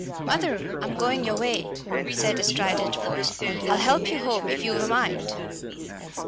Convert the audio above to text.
"Mother, I'm going your way," said a strident voice. "I'll help you home if you've a mind."